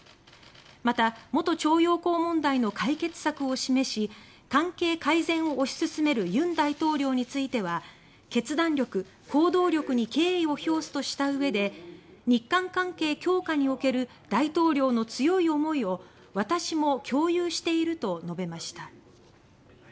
また、元徴用工問題の解決策を示し関係改善を推し進める尹大統領については「決断力・行動力に敬意を表す」としたうえで「日韓関係強化における大統領の強い思いを私も共有している」と述べました。